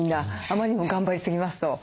あまりにも頑張りすぎますと。